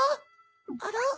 あら？